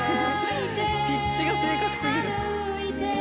ピッチが正確過ぎる。